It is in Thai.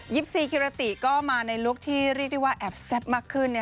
ซีกิรติก็มาในลุคที่เรียกได้ว่าแอบแซ่บมากขึ้น